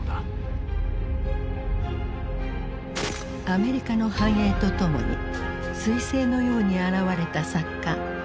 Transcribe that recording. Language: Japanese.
アメリカの繁栄とともにすい星のように現れた作家